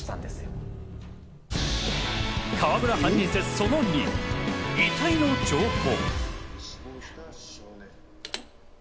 河村犯人説その２、遺体の情報。